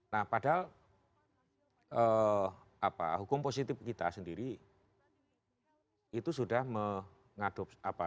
nah padahal hukum positif kita sendiri itu sudah mengadopsi